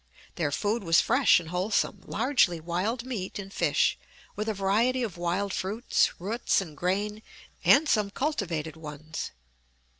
Their food was fresh and wholesome, largely wild meat and fish, with a variety of wild fruits, roots, and grain, and some cultivated ones.